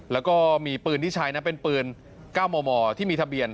แล้วก็มีปืนที่ใช้นะเป็นปืน๙มมที่มีทะเบียน